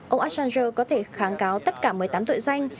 ông assanger có thể kháng cáo tất cả một mươi tám tội danh